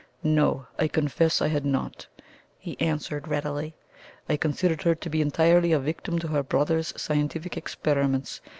"No, I confess I had not," he answered readily. "I considered her to be entirely a victim to her brother's scientific experiments.